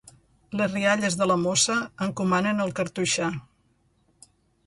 Les rialles de la mossa encomanen el cartoixà.